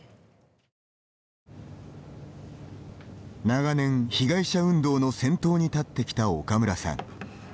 長年、被害者運動の先頭に立ってきた岡村さん。